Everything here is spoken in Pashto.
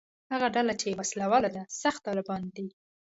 هغه ډله چې وسله واله ده «سخت طالبان» دي.